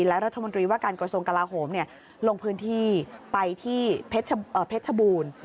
และรัฐมนตรีว่าการกระทรวงกลาโหมลงพื้นที่ไปที่เพชรชบูรณ์